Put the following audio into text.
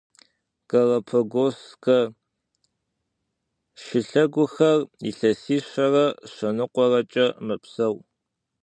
Галапагосскэ шылъэгухэр илъэсищэрэ щэныкъуэрэкӏэ мэпсэу.